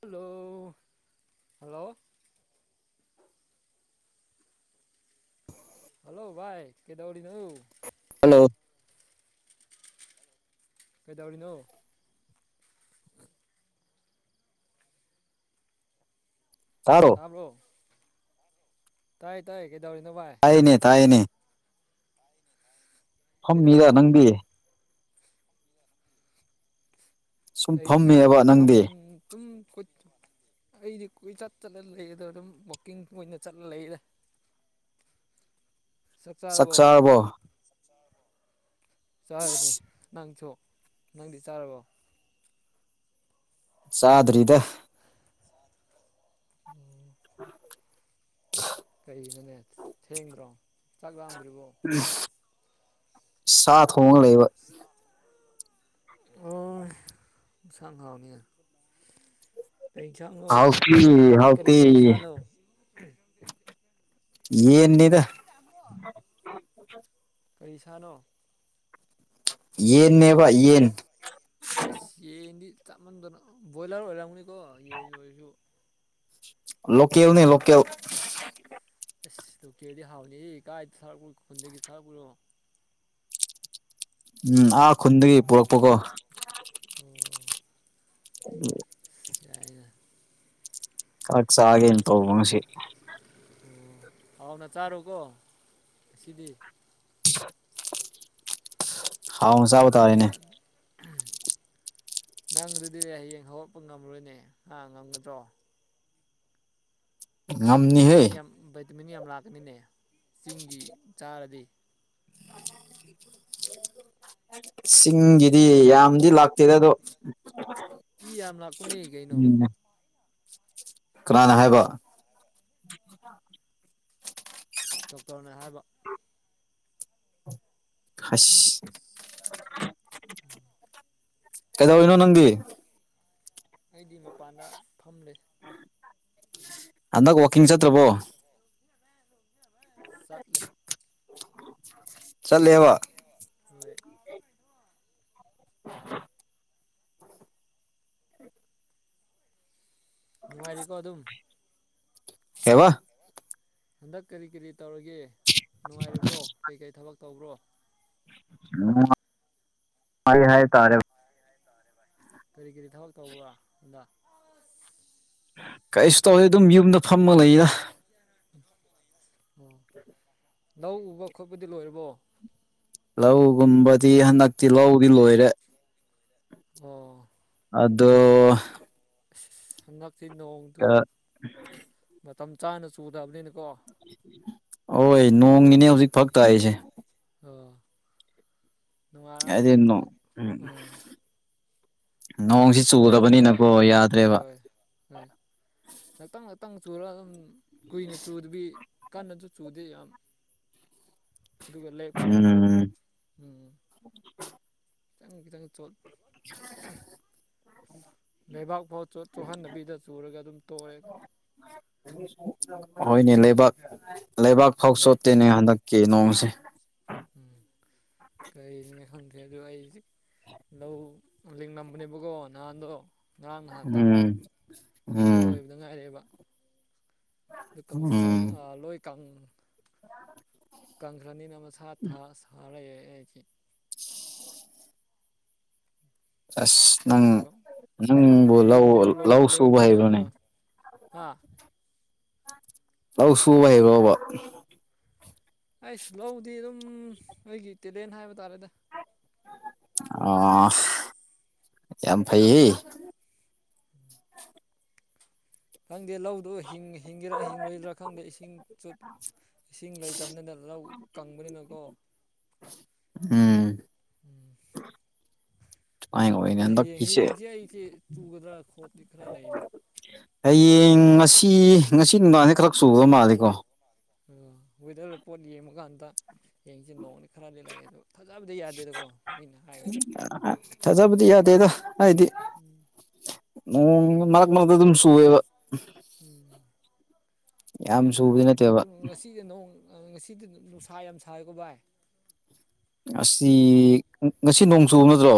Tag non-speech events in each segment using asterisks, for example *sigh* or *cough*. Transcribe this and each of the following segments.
hello hello hello ꯚꯥꯏ ꯀꯩꯗꯧꯔꯤꯅꯣ hello ꯀꯩꯗꯧꯔꯤꯅꯣ ꯇꯥ ꯀ꯭ꯔꯣ ꯇꯥꯏ ꯇꯥꯏꯌꯦ ꯀꯩꯗꯧꯔꯤꯅꯣ ꯚꯥꯏ ꯇꯥꯏꯅꯦ ꯇꯥꯏꯅꯦ ꯍ ꯃꯤꯔꯥ ꯀꯩꯗꯧꯔꯤꯅꯣ ꯅꯪꯗꯤ ꯁꯨꯝ ꯑꯩꯁꯨ ꯐꯝꯃꯦꯕ ꯐꯝ ꯅꯪꯗꯤ ꯇꯨꯝ ꯀ ꯑꯩꯗꯤ ꯀꯨꯏꯆꯠ ꯆꯠꯂ ꯂꯩꯌꯦꯗ ꯑꯗꯨꯝ ꯋꯥꯛꯀꯤꯡ ꯑꯣꯏꯅ ꯆꯠꯂ ꯂꯩꯔꯦ ꯆꯥꯛ ꯆꯔꯕꯣ ꯆꯥꯔꯅꯤ ꯅꯪꯁꯨ ꯅꯪꯗꯤ ꯆꯥꯔꯕꯣ ꯆꯗꯔꯤꯗ ꯍꯣꯏ ꯀꯅꯣꯅꯦ ꯊꯦꯡꯗ꯭ꯔꯣ ꯆꯥꯛ ꯂꯥꯝꯗ꯭ꯔꯤꯕꯣ ꯎ ꯁꯥ ꯊꯣꯡ ꯂꯩꯕ ꯁꯥ ꯑꯣ ꯁꯪꯥꯎꯅꯤ ꯀꯩ ꯏꯟꯁꯥꯡꯅꯣ ꯍꯥꯎꯇꯤ ꯀꯩ ꯀ ꯀꯔꯤ ꯍꯥꯎꯇꯤ ꯀꯔꯤ ꯁꯥꯅꯣ ꯌꯦꯟꯅꯤꯗ *unintelligible* ꯀꯔꯤꯁꯥꯅꯣ ꯌꯦꯟꯅꯦꯕ ꯌꯦꯟ ꯑꯁ ꯌꯦꯟꯗꯤ ꯆꯥꯃꯟꯗꯅ ꯕꯣꯏꯂꯔ ꯑꯣꯏꯔꯝꯒꯅꯤꯀꯣ ꯌꯦꯟ ꯑꯣꯏꯔꯁꯨ ꯂꯣꯀꯦꯜꯅꯦ ꯂꯣꯀꯦꯜ ꯑꯁ ꯌꯣꯀꯦꯜꯗꯤ ꯍꯥꯎꯅꯤꯌꯦ ꯀꯥꯏꯗ ꯊꯥꯔꯛꯄꯣ ꯈꯨꯟꯗꯒꯤ ꯊꯥꯔꯛꯄꯨꯔꯣ ꯎꯝ ꯑꯥ ꯈꯨꯟꯗꯒꯤ ꯄꯨꯔꯛꯄꯀꯣ ꯑꯣ *unintelligible* ꯌꯥꯏꯅ ꯈꯠ ꯆꯥꯒꯦꯅ ꯇꯧꯕ ꯉꯁꯤ ꯑꯣ ꯍꯥꯎꯅ ꯆꯥꯔꯣꯀꯣ ꯉꯁꯤꯗꯤ *inaudible* ꯆꯥꯕ *unintelligible* ꯎꯝ ꯇꯥꯔꯦꯅꯦ ꯅꯪ ꯑꯗꯨꯗꯤ ꯍꯌꯦꯡ ꯍꯧꯒꯠꯄ ꯉꯝꯃꯔꯣꯏꯅꯦ ꯍꯥ ꯉꯝꯒꯗ꯭ꯔꯣ ꯉꯝꯅꯤꯍꯦ ꯚꯥꯏꯇꯃꯤꯟ ꯌꯥꯝ ꯚꯥꯏꯇꯃꯤꯟ ꯌꯥꯝ ꯂꯥꯛꯀꯅꯤꯅꯦ ꯆꯤꯡꯒꯤ ꯆꯥꯔꯗꯤ *inaudible* ꯆꯤꯡꯒꯤꯗꯤ ꯌꯥꯝꯗꯤ ꯂꯥꯛꯇꯦꯗ ꯑꯗꯣ ꯏ ꯌꯥꯝ ꯂꯥꯛꯄꯅꯦ ꯀꯩꯅꯣ ꯎꯝ ꯀꯅꯥꯅ ꯍꯥꯏꯕ ꯗꯣꯛꯇꯔꯅ ꯍꯥꯏꯕ ꯍꯁ *unintelligible* *unintelligible* ꯀꯩꯗꯧꯔꯤꯅꯣ ꯅꯪꯗꯤ ꯑꯩꯗꯤ ꯃꯄꯥꯟꯗ ꯐꯝꯂꯤ *unintelligible* ꯍꯟꯗꯛ ꯋꯥꯛꯀꯤꯡ ꯆꯠꯇ꯭ꯔꯕꯣ ꯆꯠꯂꯦ ꯆꯠꯂꯦꯕ *unintelligible* *inaudible* ꯅꯨꯡꯉꯥꯏꯔꯤꯀꯣ ꯑꯗꯨꯝ ꯀꯩꯕꯥ ꯍꯟꯗꯛ ꯀꯔꯤ ꯀꯔꯤ ꯇꯧꯔꯤꯒꯦ ꯅꯨꯡꯉꯥꯏꯔꯤꯕ꯭ꯔꯣ ꯀꯩꯀꯩ ꯊꯕꯛ ꯇꯧꯕ꯭ꯔꯣ *unintelligible* ꯀꯔꯤ ꯀꯔꯤ ꯊꯕꯛ ꯇꯧꯕ ꯅ ꯀꯩꯁꯨ ꯇꯧꯗꯦ ꯑꯗꯨꯝ ꯌꯨꯝꯗ ꯐꯝꯃ ꯂꯩꯌꯦꯅ ꯑꯣ ꯂꯧ ꯎꯕ ꯈꯣꯠꯄꯗꯤ ꯂꯣꯏꯔꯕꯣ ꯂꯧꯒꯨꯝꯕꯗꯤ ꯍꯟꯗꯛꯇꯤ ꯂꯧꯗꯤ ꯂꯣꯏꯔꯦ ꯑꯣ ꯑꯗꯣ ꯑꯁ ꯍꯟꯗꯛꯇꯤ ꯅꯣꯡꯇꯨ ꯃꯇꯝ ꯆꯥꯅ ꯆꯨꯗꯕꯅꯤꯅꯀꯣ ꯍꯣꯏ ꯅꯣꯡꯒꯤꯅꯤ ꯍꯧꯖꯤꯛ ꯐꯔꯛ ꯇꯥꯏꯖꯦ ꯍꯥꯏꯗꯤ ꯅꯣꯡ ꯎꯝ *unintelligible* ꯉꯥꯛꯇꯪ ꯅꯣꯡꯁꯤ ꯆꯨꯑꯦ ꯑꯗꯨꯒ ꯆꯨꯗꯕꯅꯤꯅꯀꯣ ꯌꯥꯗ꯭ꯔꯦꯕ ꯍꯣꯏ ꯍꯣꯏ ꯉꯥꯛꯇꯪ ꯉꯥꯛꯇꯪ ꯆꯨꯔꯎꯝ ꯀꯨꯏꯅ ꯆꯨꯗꯕꯤ ꯀꯥꯟꯅꯖꯨ ꯆꯨꯗꯦ ꯌꯥꯝ ꯑꯗꯨꯒ ꯂꯦꯞꯈ꯭ꯔꯦ ꯎꯝ ꯎꯝ ꯈꯤꯇꯪ ꯈꯤꯇꯪ ꯆꯣꯠ *inaudible* ꯂꯩꯕꯥꯛꯐꯥꯎ ꯆꯣꯛꯍꯟꯅꯕꯤꯗ ꯆꯨꯔꯒ ꯑꯗꯨꯝ ꯇꯣꯛꯑꯦ ꯍꯣꯏꯅꯦ ꯂꯩꯕꯥꯛ ꯂꯩꯕꯥꯛ ꯎꯝ ꯐꯥꯎꯁꯨꯠ ꯦꯅꯦ ꯍꯟꯗꯛꯀꯤ ꯅꯣꯡꯁꯦ ꯎꯝ ꯀꯔꯤꯅꯤꯅꯦ ꯈꯪꯗ꯭ꯔꯦ ꯑꯗꯣ ꯑꯩꯁ ꯂꯧ ꯂꯤꯡꯡꯂꯝꯕꯅꯦꯕꯀꯣ ꯅꯍꯥꯟꯗꯣ ꯉꯔꯥꯡ ꯉꯍꯥꯛꯇꯪ ꯎꯝ ꯂꯤꯡꯕ ꯎꯝ ꯂꯣꯏꯕꯗ ꯉꯥꯏꯔꯛꯑꯦꯕ ꯑꯗꯨ ꯀꯁꯤ ꯎꯝ ꯂꯣꯏ ꯀꯥꯡ ꯀꯪꯈ꯭ꯔꯅꯤꯅ ꯃꯁꯥ ꯁꯥꯔꯑꯦ ꯑꯩꯈꯤ ꯑꯁ ꯅꯪ ꯅꯪꯕꯨ ꯂꯧ ꯂꯤꯡꯕꯗꯣ ꯂꯧ ꯁꯨꯕ ꯂꯣꯏꯕꯗꯪ ꯍꯩꯕ꯭ꯔꯣꯅꯦ ꯑꯥ ꯍꯥ ꯑꯧ ꯁꯨꯕ ꯍꯩꯔꯕꯣꯕ ꯑꯩꯁ ꯂꯧꯗꯤ ꯑꯗꯨꯝ ꯅꯣꯏꯒꯤ ꯇꯦꯂꯦꯟ ꯍꯥꯏꯕ ꯇꯥꯔꯦꯗ ꯑ ꯌꯥꯝ ꯐꯩ ꯎꯝ ꯈꯪꯗꯦ ꯂꯧꯗꯨ ꯍꯤꯡꯒꯦꯔꯥ ꯍꯤꯡꯔꯣꯏꯗ꯭ꯔꯥ ꯈꯪꯗꯦ ꯏꯁꯤꯡ ꯆꯠ ꯏꯁꯤꯡ ꯂꯩꯇꯕꯅꯤꯅ ꯂꯧ ꯀꯪꯕꯅꯤꯅꯀꯣ ꯎꯝ ꯎꯝ ꯁꯨꯃꯥꯏꯅ ꯑꯣꯏꯅ ꯑꯗꯣ ꯍꯌꯦ ꯍꯟꯗꯛꯀꯤꯁꯦ ꯍꯌꯦꯡꯁꯦ ꯑꯩꯁꯦ ꯆꯨꯒꯗ꯭ꯔꯥ ꯈꯣꯞꯇꯗꯤ ꯈꯔ ꯂꯩꯅꯤ ꯍꯌꯦꯡ ꯉꯁꯤ ꯉꯁꯤ ꯅꯨꯡꯗꯥꯜꯁ ꯈꯔꯛ ꯆꯨꯕ ꯃꯥꯜꯂꯤꯀꯣ ꯑꯣ ꯋꯦꯗꯔꯗ ꯄꯣꯠ ꯌꯦꯡꯕꯀꯥꯟꯗ ꯍꯡꯁꯤ ꯅꯣꯡꯅꯤ ꯈꯔꯗꯤ ꯂꯥꯛꯑꯦ ꯑꯗꯣ ꯊꯥꯖꯕꯗꯤ ꯌꯥꯗꯦꯗꯀꯣ ꯃꯣꯏꯅ ꯍꯥꯏꯌꯨꯗ ꯊꯥꯖꯕꯗꯤ ꯎꯝ ꯎꯝ ꯃꯥ ꯈꯨꯃꯛꯇ ꯑꯗꯨꯝ ꯁꯨꯑꯦꯕ ꯎꯝ ꯌꯥꯝ ꯁꯨꯕꯗꯤ ꯅꯠꯇꯦꯕ ꯁꯤꯗꯤ ꯅꯣꯡ ꯉꯁꯤꯗꯤ ꯅꯨꯡꯁꯥ ꯌꯥꯝ ꯁꯋꯀꯣ ꯚꯥꯏ ꯑꯁꯤ ꯉꯁꯤ ꯅꯣꯡ ꯆꯨꯕ ꯅꯠꯇ꯭ꯔꯣ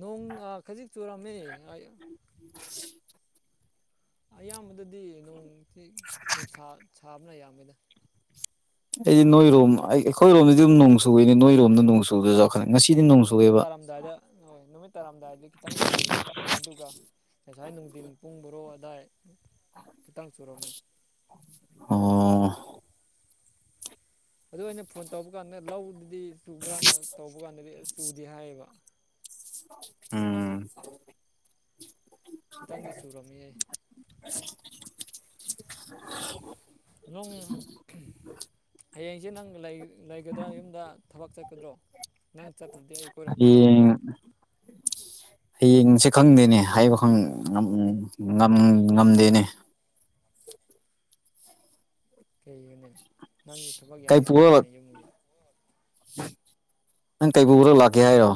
ꯅꯣꯡ ꯈꯖꯤꯛ ꯆꯨꯔꯝꯃꯦ *inaudible* ꯑꯌꯥꯝꯕꯗꯗꯤ ꯅꯣꯡ ꯅꯨꯡꯁꯥ ꯁꯥꯕꯅ ꯑꯌꯥꯝꯕꯅ ꯑꯩꯗꯤ ꯅꯣꯏꯔꯣꯝ ꯑꯩ ꯑꯩꯈꯣꯏꯔꯣꯝꯗꯗꯤ ꯑꯗꯨꯝ ꯅꯣꯡ ꯆꯨꯏꯦꯅꯦ ꯅꯣꯏꯔꯣꯝꯗ ꯅꯣꯡ ꯆꯨꯕꯗ ꯆꯥꯎꯈꯠꯂꯦ ꯉꯁꯤꯗꯤ ꯅꯣꯡ ꯑꯣ ꯅꯨꯃꯤꯠ ꯆꯨꯑꯦꯕ ꯇꯥꯔꯝꯗꯥꯏꯗ ꯍꯣꯏ ꯅꯨꯃꯤꯠ ꯇꯥꯔꯥꯝꯗꯥꯏꯗꯤ ꯈꯤꯇꯪ ꯆꯨꯔꯤꯕ ꯑꯗꯨꯒ ꯉꯁꯥꯏ ꯅꯨꯡꯊꯤꯟ ꯄꯨꯡ ꯕꯣꯔꯣ ꯑꯗꯥꯏ ꯈꯤꯇꯪ ꯆꯨꯔꯝꯃꯦ ꯑꯣ ꯑꯗꯨ ꯑꯩꯅ ꯐꯣꯟ ꯇꯧꯕ ꯀꯥꯟꯗ ꯂꯧꯗꯨꯗꯤ ꯆꯨꯕ꯭ꯔꯥꯅ ꯇꯧꯕ ꯀꯥꯟꯗꯗꯤ ꯆꯨꯗꯦ ꯍꯥꯏꯌꯦꯕ ꯑꯣ ꯈꯤꯇꯪꯗꯤ ꯆꯨꯔꯝꯃꯤꯑ ꯂꯣꯡ ꯑꯌꯡꯁꯦ ꯅꯪ ꯂꯩ ꯂꯩꯒꯗ꯭ꯔꯥ ꯌꯨꯝꯗ ꯊꯕꯛ ꯆꯠꯀꯗ꯭ꯔꯣ ꯅꯪ ꯆꯠꯇ꯭ꯔꯗꯤ ꯑꯩ ꯀꯣꯏꯔꯛꯀꯦ ꯇꯧꯕꯅꯤ ꯍꯌꯦꯡ ꯍꯌꯦꯡꯁꯦ ꯈꯪꯗꯦꯅꯦ ꯍꯥꯏꯕ ꯈꯪ ꯉꯝꯗꯦꯅꯦ ꯀꯩꯒꯤꯅꯦꯅꯦ ꯅꯪ ꯊꯕꯛ ꯀꯩ ꯌꯥꯝ ꯄꯨꯔ ꯆꯤꯂꯨꯕꯅꯦ ꯌꯨꯝꯒꯤ ꯅꯪ ꯀꯩꯕꯨꯨꯔꯣ ꯂꯥꯛꯀꯦ ꯍꯥꯏꯔꯣ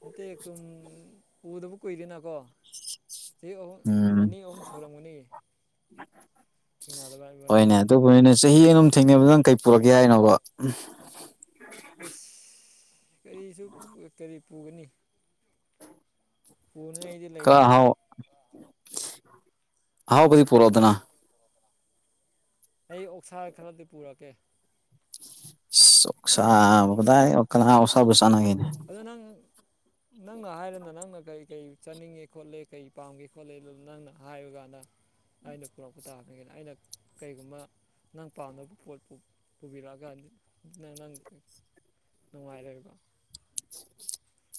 ꯅꯠꯇꯦ ꯑꯗꯨꯨꯝ ꯄꯨꯗꯕꯨ ꯀꯨꯏꯗꯦꯅꯀꯣ ꯆꯍꯤ ꯑꯍꯨꯝ ꯎꯝ ꯑꯅꯤ ꯑꯍꯨꯝ ꯁꯨꯔꯝꯒꯅꯤ ꯊꯦꯡꯅꯗꯕ ꯏꯅꯤ ꯑꯗꯨꯕꯨꯅꯤꯣꯏꯅ ꯆꯍꯤ ꯑꯝ ꯊꯦꯡꯅꯕꯗ ꯅꯪ ꯀꯩ ꯄꯨꯔꯛꯀꯦ ꯍꯥꯏꯅꯣꯕ ꯑꯁ ꯀꯔꯤꯁꯨ ꯀꯔꯤ ꯄꯨꯒꯅꯤ ꯄꯨꯅꯤꯡꯉꯥꯏꯗꯤ ꯀ ꯂꯩꯇꯦꯗ ꯍꯥꯎ ꯍꯥꯎ ꯄꯗꯤ ꯄꯨꯔ ꯑꯣꯗꯅ ꯑꯩ ꯑꯣꯛꯁꯥ ꯈꯔꯗꯤ ꯄꯨꯔꯛꯀꯦ ꯆꯣꯛꯁꯥ ꯀꯗꯥꯥꯏ ꯀꯅꯥ ꯑꯣꯁꯥꯕꯨꯁꯥꯅꯒꯅꯦ ꯑꯗꯨ ꯅꯪ ꯅꯪꯅ ꯍꯥꯏꯔꯅ ꯅꯪꯅ ꯀꯩ ꯀꯩ ꯆꯥꯅꯤꯡꯉꯦ ꯈꯣꯠꯂꯦ ꯀꯩ ꯄꯥꯝꯒꯦ ꯈꯣꯠꯂꯦ ꯑꯗꯨ ꯅꯪꯅ ꯍꯥꯏꯔꯨꯀꯥꯟꯗ ꯑꯩꯅ ꯄꯨꯔꯛꯄ ꯇꯥꯕꯅꯤ ꯑꯩꯅ ꯀꯔꯤꯒꯨꯝꯕ ꯅꯪ ꯄꯥꯝꯗꯕ ꯄꯣꯠ ꯄꯨꯕꯤꯔꯛꯑꯒ ꯅꯪ ꯅꯨꯡꯉꯥꯏꯔꯣꯏꯕ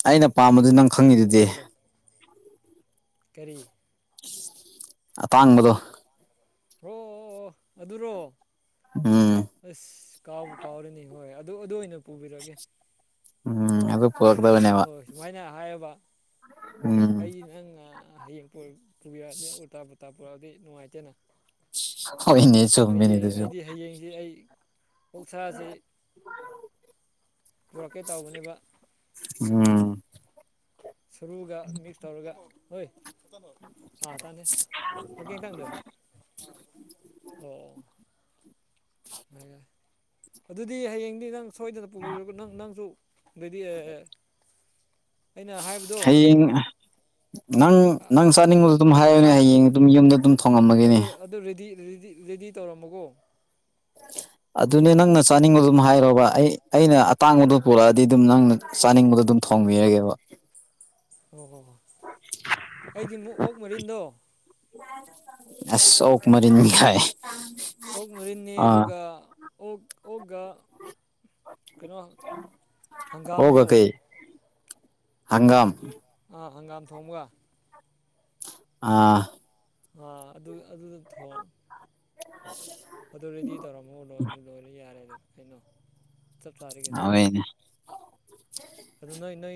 ꯑꯩꯅ ꯄꯥꯝꯕꯗꯨ ꯅꯪ ꯈꯪꯉꯤꯗꯨꯗꯤ ꯋꯥꯈꯜꯗꯣ ꯀꯔꯤ ꯑꯇꯥꯡꯕꯗꯣ ꯍ꯭ꯔꯣ ꯑꯣ ꯑꯗꯨꯔꯣ ꯎꯝ ꯑꯁ ꯀꯥꯎꯕꯨ ꯀꯥꯎꯔꯅꯤ ꯍꯣꯏ ꯑꯗꯨ ꯑꯗꯨ ꯑꯣꯏꯅ ꯄꯨꯕꯤꯔꯛꯒꯦ ꯎꯝ ꯑꯗꯨ ꯄꯨꯔꯛꯀꯗꯅꯤ ꯍꯣꯏ ꯁꯨꯃꯥꯏꯅ ꯍꯥꯏꯔꯕ ꯎꯝ ꯑꯩꯁꯤ ꯅꯪ ꯍꯌꯦꯡ ꯄꯨꯕꯤꯔꯛꯑꯅꯤ ꯎꯜꯇꯥ ꯇꯥ ꯄꯨꯔꯛꯑꯗꯤ ꯅꯨꯡꯉꯥꯏꯇꯦꯅ ꯍꯣꯏꯅꯦ ꯑꯩꯗꯤ ꯆꯨꯝꯃꯤꯅꯦ ꯑꯗꯨꯁꯨ ꯑꯩꯗꯤ ꯍꯌꯦꯡꯁꯤ ꯑꯩ ꯑꯣꯛꯁꯁꯤ ꯄꯨꯔꯛꯀꯦ ꯇꯧꯕꯅꯦꯕ ꯎꯝ ꯁꯨꯔꯨꯒ ꯃꯤꯛꯁ ꯇꯧꯔꯒ ꯍꯣꯏ ꯑꯥ ꯇꯥꯟꯗꯦ ꯑꯣꯀꯦ ꯇꯥꯡꯗꯦ ꯑꯣ ꯌꯥ ꯑꯗꯨꯗꯤ ꯍꯌꯦꯡꯗꯤ ꯅꯪ ꯁꯣꯏꯗꯅ ꯄꯨꯕꯤꯔꯒ ꯅꯪ ꯅꯪꯁꯨ ꯑꯗꯨꯗꯤ ꯑꯦ ꯑꯩꯅ ꯍꯥꯏ ꯍꯌꯦꯡ ꯅꯪ ꯅꯪ ꯆꯥꯅꯤꯡꯕꯗꯣ ꯑꯗꯨꯝ ꯍꯥꯏꯌꯨꯅꯦ ꯌꯦꯟꯁꯥꯡ ꯍꯌꯦꯡ ꯑꯗꯨꯝ ꯌꯨꯝꯗ ꯑꯗꯨꯝ ꯊꯣꯡꯉꯝꯃꯒꯅꯦ ꯑꯗꯨ ꯑꯗꯨ ꯔꯦꯗꯤ ꯔꯦꯗꯤ ꯇꯧꯔꯝꯃꯀꯣ ꯑꯗꯨꯅꯦ ꯅꯪꯅ ꯆꯥꯅꯤꯡꯕꯗꯨꯝ ꯍꯥꯏꯔꯣꯕ ꯑꯩ ꯑꯩꯅ ꯑꯇꯥꯡꯕꯗꯣ ꯄꯨꯔꯛꯑꯗꯤ ꯑꯗꯨꯝ ꯅꯪꯅ ꯆꯥꯅꯤꯡꯕꯗꯣ ꯑꯗꯨꯝ ꯊꯣꯡꯕꯤꯔꯒꯦꯕ ꯑꯣ ꯍꯣ ꯍꯣ ꯑꯩꯗꯤ ꯑꯃꯨꯛ ꯑꯣꯛ ꯃꯔꯤꯟꯗꯣ ꯑꯁ ꯑꯣꯛ ꯃꯔꯤꯟ ꯒꯥꯏ ꯑꯣꯛ ꯃꯔꯤꯟꯅꯤ ꯑꯗꯨꯒ ꯑꯣꯛ ꯑꯣꯛꯒ ꯑꯣꯛꯀꯥ ꯍꯪꯒꯥꯝꯗꯣ ꯀꯩ ꯍꯪꯒꯥꯝ ꯑꯥ ꯍꯪꯒꯥꯝ ꯊꯣꯡꯕ ꯑꯥ ꯑꯗꯨ ꯑꯗꯨꯗ ꯊꯣꯡ *unintelligible* ꯑꯗꯨ ꯔꯦꯗꯤ ꯇꯧꯔꯝꯃꯣ ꯂꯣꯏ ꯂꯣꯏꯔꯦ ꯌꯥꯔꯦ ꯑꯗꯨ ꯀꯩꯅꯣ ꯆꯞ ꯆꯥꯔꯤ ꯀꯩꯅꯣ ꯍꯥꯎꯋꯦꯅꯦ ꯑꯗꯨ ꯅꯣꯏ ꯅꯣꯏ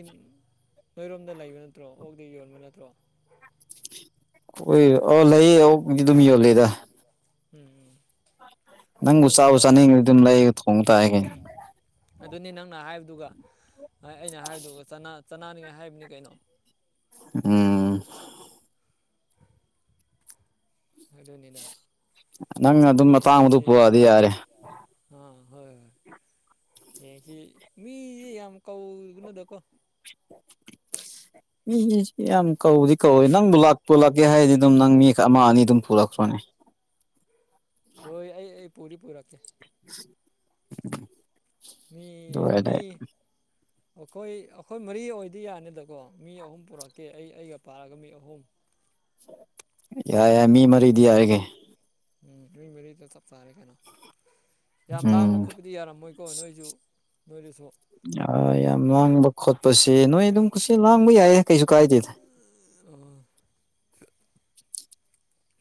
ꯅꯣꯏꯔꯣꯝꯗ ꯂꯩꯕ ꯅꯠꯇ꯭ꯔꯣ ꯑꯣꯛꯗꯤ ꯌꯣꯟꯕ ꯅꯠꯇ꯭ꯔꯣ ꯎꯏ ꯑꯣ ꯂꯩꯌꯦ ꯑꯣꯛꯗꯤ ꯑꯗꯨꯝ ꯌꯣꯜꯂꯤꯗ ꯎꯝ ꯎꯝ ꯅꯪꯕꯨ ꯑꯗꯨ ꯑꯗꯨꯝ ꯆꯥꯕꯨ ꯇꯧꯁꯤ ꯆꯥꯅꯤꯡꯔꯗꯤ ꯀꯩꯅꯣ ꯑꯗꯨꯝ ꯂꯩꯒ ꯊꯣꯡ ꯇꯥ ꯀꯩꯅꯣ ꯑꯗꯨꯅꯤ ꯅꯪꯅ ꯍꯥꯏꯕꯗꯨꯒ ꯑꯩꯅ ꯍꯥꯏꯕꯗꯨꯒ ꯆꯥꯅꯥ ꯆꯅꯤꯡꯉꯥꯏ ꯍꯥꯏꯕꯅꯤ ꯀꯩꯅꯣ ꯎꯝ ꯑꯗꯨꯅꯤꯗ ꯅꯪꯅ ꯑꯗꯨꯝ ꯑꯗꯨꯗ ꯑꯇꯥꯡꯕꯗꯨ ꯍꯌꯦꯡꯁꯤ ꯄꯨꯔꯗꯤ ꯌꯥꯔꯦ ꯑꯥ ꯍꯣꯏ ꯍꯣꯏ ꯌꯦꯡꯁꯤ ꯃꯤꯁꯦ ꯌꯥꯝ ꯀꯧꯒꯅꯗꯀꯣ ꯃꯤ ꯃꯤꯌꯥꯝ ꯀꯧꯗꯤ ꯀꯧꯋꯏ ꯅꯪꯕꯨ ꯂꯥꯛ ꯄꯨꯂꯛꯀꯦ ꯍꯥꯏꯔꯗꯤ ꯑꯗꯨꯝ ꯅꯪ ꯃꯤ ꯑꯃ ꯑꯅꯤ ꯑꯗꯨꯝ ꯄꯨꯔꯛꯈ꯭ꯔꯣꯅꯦ ꯍꯣꯏ ꯑꯩ ꯑꯩ ꯄꯨꯗꯤ ꯄꯨꯔꯛꯀꯦ ꯎꯝ ꯃꯤ ꯑꯅꯤ ꯑꯩꯈꯣꯏ ꯑꯩꯈꯣꯏ ꯃꯔꯤ ꯑꯣꯏꯗꯤ ꯌꯥꯅꯤꯗꯀꯣ ꯃꯤ ꯑꯍꯨꯝ ꯄꯨꯔꯛꯇꯦ ꯑꯩ ꯑꯩꯒ ꯄꯥꯔꯒ ꯃꯤ ꯑꯍꯨꯝ ꯌꯥꯏ ꯌꯥꯏ ꯃꯤ ꯃꯔꯤꯗꯤ ꯌꯥꯔꯒꯦ ꯎꯝ ꯃꯔꯤꯗ ꯁꯞ ꯇꯥꯔꯦ ꯀꯅ ꯌꯥꯝ ꯂꯥꯡꯕ ꯎꯝ ꯈꯣꯠꯄꯗꯤ ꯌꯥꯔꯝꯃꯣꯏꯀꯣ ꯅꯣꯏꯁꯨ ꯅꯣꯏꯗꯨꯁꯨ ꯌꯥꯝ ꯂꯥꯡꯕ ꯈꯣꯠꯄꯁꯦ ꯅꯣꯏ ꯑꯗꯨꯝ ꯈꯨꯠꯁ ꯂꯥꯡꯕ ꯌꯥꯏꯌꯦ ꯀꯩꯁꯨ ꯀꯥꯏꯗꯦꯗ ꯑꯣ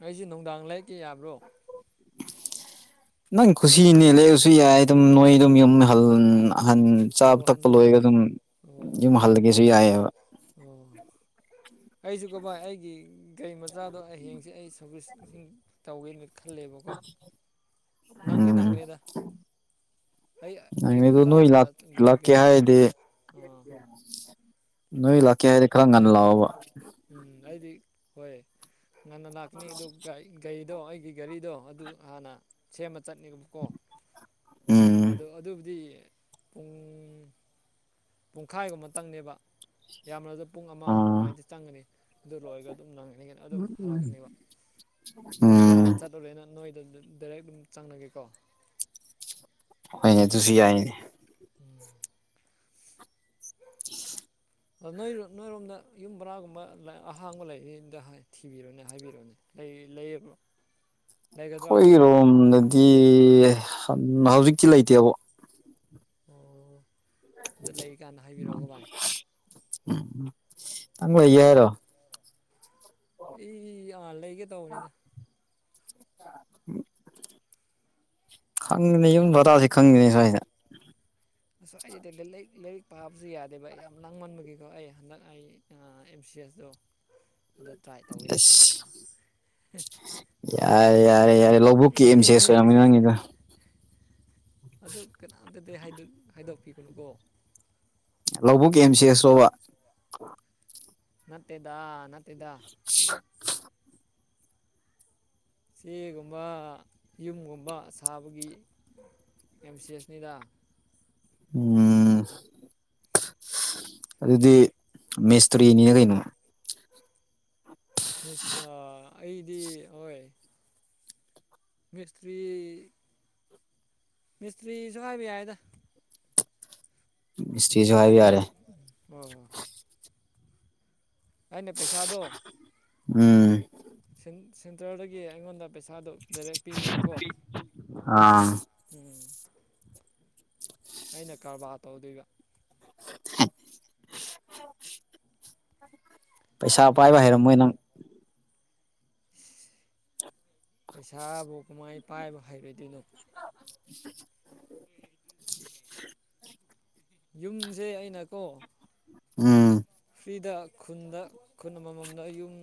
ꯑꯩꯁꯦ ꯅꯨꯡꯗꯥꯡ ꯂꯩꯦꯛꯛꯀꯤꯦ ꯌꯥꯕ꯭ꯔꯣ ꯅꯪ ꯈꯨꯁꯤꯅꯦ ꯂꯩꯔꯁꯨ ꯌꯥꯏ ꯑꯗꯨꯝ ꯅꯣꯏ ꯑꯗꯨꯝ ꯌꯨꯝ ꯑꯍꯜ ꯑꯍꯟ ꯑꯧ ꯆꯥꯕ ꯊꯛꯄ ꯂꯣꯏꯒ ꯍꯟꯍꯟꯗꯣꯏꯅꯤ ꯑꯗꯨꯝ ꯑꯣ ꯌꯨꯝ ꯍꯜꯂꯒꯦꯁꯨ ꯌꯥꯏꯑꯕ ꯑꯣ ꯑꯩꯁꯨ ꯀꯕꯥ ꯑꯩꯒꯤ ꯒꯥꯔꯤ ꯃꯆꯥꯗꯣ ꯍꯌꯦꯡꯁꯦ ꯑꯩ ꯁꯥꯔꯚꯤꯁꯁꯤꯡ ꯇꯧꯒꯦꯅꯤ ꯈꯜꯂꯦꯕꯀꯣ ꯅꯪꯗꯤꯦ ꯎꯝ ꯅꯪꯒ꯭ꯔꯦꯗ ꯑꯩ ꯑꯩ ꯅꯪ ꯃ ꯑꯗꯨ ꯇ ꯅꯣꯏ ꯆꯠ ꯑ ꯂꯥꯛꯀꯦ ꯍꯥꯏꯔꯗꯤ ꯑꯥ *unintelligible* ꯅꯣꯏ ꯂꯥꯛꯀꯦ ꯍꯥꯏꯗꯤꯦ ꯈꯔ ꯉꯟꯅ ꯂꯥꯛꯑꯣꯕ ꯎꯝ ꯑꯩꯗꯤ ꯍꯣꯏ ꯉꯟꯅ ꯂꯥꯛꯀꯅꯤ ꯑꯗꯨ ꯒꯥꯔꯤꯗꯣ ꯑꯩꯒꯤ ꯒꯥꯔꯤꯗꯣ ꯑꯗꯨ ꯍꯥꯟꯅ ꯁꯦꯝꯃ ꯆꯠꯅꯦꯕꯀꯣ ꯎꯝ ꯑꯗꯣ ꯑꯗꯨꯕꯨꯗꯤ ꯄꯨꯡ ꯄꯨꯡꯈꯥꯏꯒꯨꯝꯃꯇꯪꯅꯦꯕ ꯌꯥꯝꯕ꯭ꯔꯕꯗ ꯄꯨꯡ ꯑꯃ ꯑꯥ ꯑꯗꯨꯃꯥꯏꯅꯗꯤ ꯆꯪꯒꯅꯤ ꯑꯗꯨ ꯂꯣꯏꯔꯒ ꯑꯗꯨꯝ ꯅꯪꯒꯅꯤꯒꯅ ꯑꯗꯨꯝ ꯍꯜꯂꯛꯑꯅꯦꯕ ꯎꯝ ꯇꯧꯔꯦꯅ ꯅꯣꯏꯗ ꯗꯥꯏꯔꯦꯛ ꯑꯗꯨꯝ ꯆꯪꯅꯒꯦꯀꯣ ꯍꯅꯦ ꯑꯗꯨꯨꯁꯨ ꯌꯥꯏꯅꯦ ꯎꯝ *unintelligible* *inaudible* ꯑ ꯅꯣꯏ ꯅꯣꯏꯔꯣꯝꯗ ꯌꯨꯝ ꯕꯔꯥꯒꯨꯝꯕ ꯑꯍꯥꯡꯕ ꯂꯩꯔꯤꯗ ꯊꯤꯕꯤꯔꯣꯅꯦ ꯍꯥꯏꯕꯤꯔꯛꯑꯣꯅꯦ ꯂꯩ ꯂꯩꯌꯦꯕꯣ ꯑꯩꯈꯣꯏꯒꯤꯔꯣꯝꯗꯗꯤ ꯍꯧꯖꯤꯛꯇꯤ ꯂꯩꯇꯦꯕ ꯑꯣ ꯇꯪ ꯍ ꯌꯥꯔꯣ ꯑꯩ ꯑꯟ ꯂꯩꯒꯦ ꯇꯧꯕꯅꯤꯅ ꯎꯝ ꯈꯪꯉꯤꯅꯦ ꯌꯨꯝ ꯇꯥꯁꯤ ꯈꯪꯉꯤꯅꯦ ꯁ꯭ꯋꯥꯏꯗ ꯑꯁ ꯑꯩꯗꯗꯤꯥꯏꯔꯤꯛ ꯂꯥꯏꯔꯤꯛ ꯄꯥꯕꯁꯨ ꯌꯥꯗꯦꯕ ꯌꯥꯝ ꯅꯥꯡꯃꯟꯕꯒꯤꯀꯣ ꯑꯩ ꯍꯟꯗꯛ ꯑꯩ ꯑꯦꯝ ꯁꯤ ꯑꯦꯁꯇꯣ ꯑꯗꯨ ꯇ꯭ꯔꯥꯏ ꯇꯧꯒꯦꯅ ꯈꯜꯂꯦꯕ ꯑꯁ ꯌꯥꯔꯦ ꯌꯥꯔꯦ ꯌꯥꯔꯦ ꯂꯧꯕꯨꯛꯀꯤ ꯑꯦꯝꯁꯦꯁꯨ ꯌꯥꯝꯃꯤ ꯅꯪꯉꯤꯗ ꯑꯗꯨ ꯀꯅꯥꯝꯇꯗꯤ ꯍꯥꯏꯗꯣꯛꯄꯤꯒꯅꯨꯀꯣ ꯂꯧꯕꯨꯛꯦꯝ ꯁꯤꯁꯣꯕ ꯅꯠꯇꯦꯗꯥ ꯅꯠꯇꯦꯗꯥ *unintelligible* ꯆꯦꯒꯨꯝꯕ ꯌꯨꯝꯒꯨꯝꯕ ꯁꯥꯕꯒꯤ ꯑꯦꯝ ꯁꯤ ꯑꯦꯁꯅꯤꯗ ꯎꯝ ꯑꯗꯨꯗꯤ ꯃꯦꯁꯇꯔꯤꯅꯤꯅ ꯀꯩꯅꯣ ꯃꯤꯁ ꯑꯩꯗꯤ ꯍꯣꯏ ꯃꯤꯁꯇ꯭ꯔꯤ ꯃꯤꯁꯇ꯭ꯔꯤꯁꯨ ꯍꯥꯏꯕ ꯌꯥꯏꯗ ꯃꯤꯁꯇ꯭ꯔꯤꯁꯨ ꯍꯥꯏꯕ ꯑꯩꯅ ꯌꯥꯔꯦ ꯍ ꯑꯩꯅ ꯄꯩꯁꯥꯗꯣ ꯎꯝ ꯁꯦꯟꯇꯔꯗꯒꯤ ꯑꯩꯉꯣꯟꯗ ꯄꯩꯁꯥꯗꯨ ꯗꯥꯏꯔꯦꯛ ꯄꯤꯅꯦꯕꯀꯣ ꯑꯥ ꯎꯝ ꯑꯩꯅ ꯀꯔꯕꯥꯔ ꯇꯧꯗꯣꯏꯕ *unintelligible* ꯄꯩꯁꯥ ꯄꯥꯏꯕ ꯍꯩꯔꯝꯃꯣꯏ ꯅꯪ ꯄꯩꯁꯥꯕꯨ ꯀꯃꯥꯏ ꯄꯥꯏꯕ ꯍꯩꯔꯣꯏꯗꯣꯏꯅꯣ *inaudible* ꯌꯨꯝꯁꯦ ꯑꯩꯅꯀꯣ ꯎꯝ ꯐ꯭ꯔꯤꯗ ꯈꯨꯟꯗ ꯈꯨꯟ ꯑꯃꯃꯝꯗ ꯌꯨꯝ